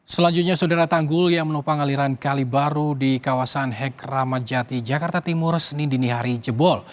selanjutnya saudara tanggul yang menopang aliran kali baru di kawasan hek ramadjati jakarta timur senin dinihari jebol